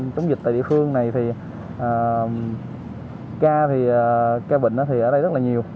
chống dịch tại địa phương này thì ca bệnh ở đây rất là nhiều